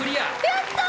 やった！